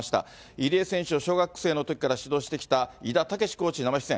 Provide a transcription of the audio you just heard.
入江選手を小学生のときから指導してきた伊田武志コーチ、生出演。